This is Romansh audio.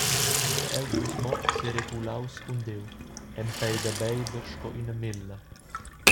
Sche el fuss mo seregulaus cun Diu, empei da beiber sco ina mélla.